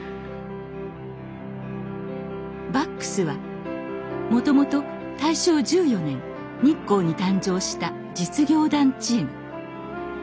バックスはもともと大正１４年日光に誕生した実業団チーム。